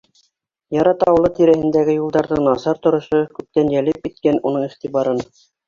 Ярат ауылы тирәһендәге юлдарҙың насар торошо күптән йәлеп иткән уның иғтибарын.